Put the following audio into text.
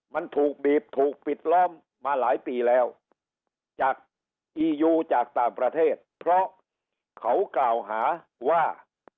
มันถูกบีบถูกปิดล้อมมาหลายปีแล้วจากอียูจากต่างประเทศเพราะเขากล่าวหาว่า